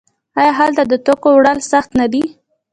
آیا هلته د توکو وړل سخت نه دي؟